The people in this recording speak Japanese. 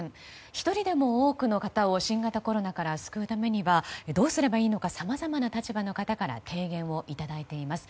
一人でも多くの方を新型コロナから救うためにはどうすればいいのかさまざまな立場の方から提言をいただいています。